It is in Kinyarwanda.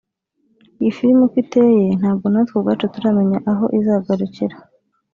Iyi film uko iteye ntabwo natwe ubwacu turamenya aho izagarukira